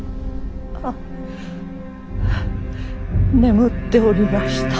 あ眠っておりました。